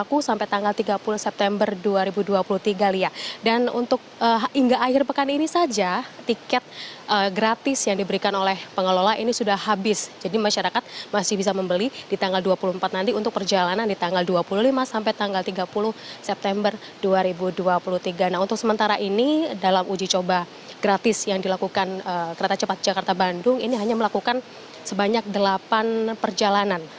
untuk sementara ini dalam uji coba gratis yang dilakukan kereta cepat jakarta bandung ini hanya melakukan sebanyak delapan perjalanan